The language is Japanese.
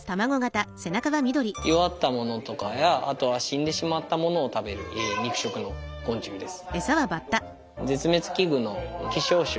弱ったものとかやあとは死んでしまったものを食べる肉食の昆虫です。